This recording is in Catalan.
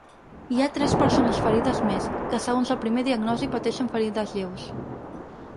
Hi ha tres persones ferides més, que segons el primer diagnosi pateixen ferides lleus.